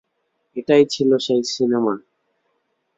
এটাই ছিলো সেই সিনেমা।